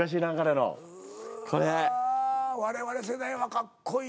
我々世代はかっこいい。